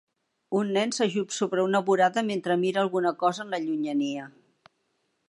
Un nen s'ajup sobre una vorada mentre mira alguna cosa en la llunyania.